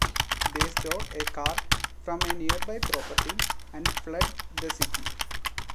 They stole a car from a nearby property and fled the city.